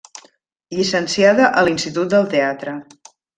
Llicenciada a l'Institut del Teatre.